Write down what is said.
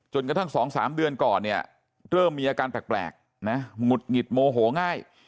กระทั่ง๒๓เดือนก่อนเนี่ยเริ่มมีอาการแปลกนะหงุดหงิดโมโหง่าย